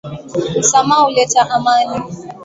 Msamaha huleta amani.